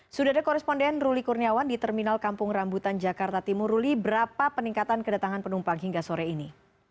sudah ada koresponden ruli kurniawan di terminal kampung rambutan jakarta timur ruli berapa peningkatan kedatangan penumpang hingga sore ini